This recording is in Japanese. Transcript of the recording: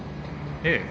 ええ。